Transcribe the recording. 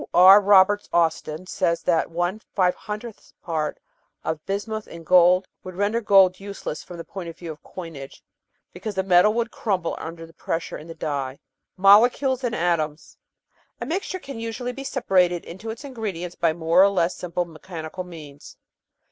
R. Roberts Austin says that 3^ part of bismuth in gold would render gold useless, from the point of view of coinage, be cause the metal would crumble under pressure in the die. Molecules and Atoms A mixture can usually be separated into its ingredients by more or less simple mechanical means.